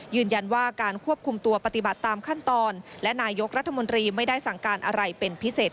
ยืนยันว่าการควบคุมตัวปฏิบัติตามขั้นตอนและนายกรัฐมนตรีไม่ได้สั่งการอะไรเป็นพิเศษ